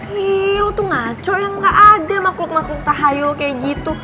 nih lo tuh ngaco ya gak ada makhluk makhluk tahayul kayak gitu